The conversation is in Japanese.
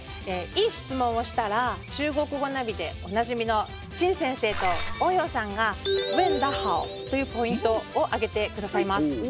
いい質問をしたら「中国語！ナビ」でおなじみの陳先生と王陽さんが「問得好！」というポイントを上げてくださいます。